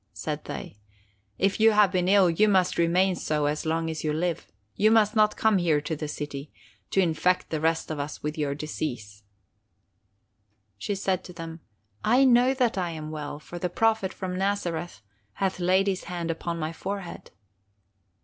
said they. 'If you have been ill, you must remain so as long as you live. You must not come here to the city, to infect the rest of us with your disease.' "She said to them: 'I know that I am well, for the Prophet from Nazareth hath laid his hand upon my forehead.